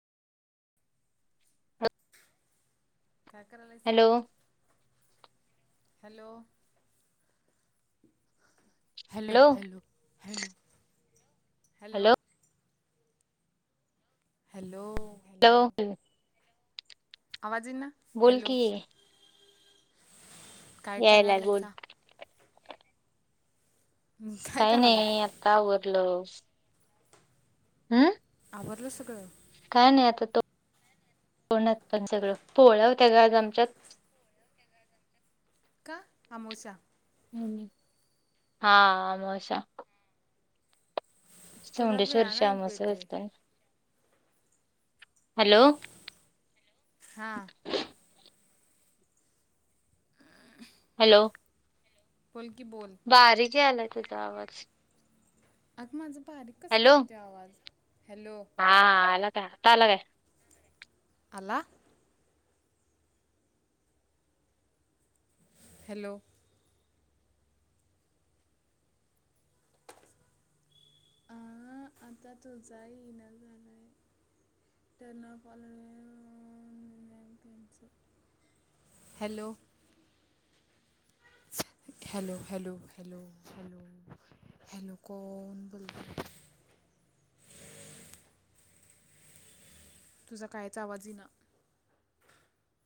काय करालयसा hello hello. Hello hello hello hello. Hello. Hello. आवाज येईन ना. बोल की काय यायलाय बोल करालायसा? काय नाही आता आवरलं. हम्म. आवरलं सगळं काय नाही आता तो तोंडांत पण सगळं पोळ्या होत्या ग आज आमच्या का आमोस्या हा हा आमोस्या. तुला चौंडेश्वरी वेळानं ऐकू येतंय अमावस्या [unintelligible] हॅलो! ! हा हॅलो. फल की बोल बारीके आलाय तुझा आवाज. अग माझं बारीक कसं हॅलो काय येतो आवाज हॅलो. हा आलं का आता आला काय आला हॅलो. आ आता तो जा येना झालाय त्यांनपण नि पच hello hello, hello, hello, hello, hello कोण बोलत तुझा कायच आवाज इना